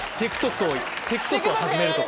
ＴｉｋＴｏｋを始めるとか。